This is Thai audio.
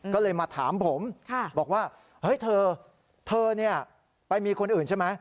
ก็เลยมาถามผมบอกว่าเฮ้ยเธอเธอไปมีคนอื่นใช่ไหม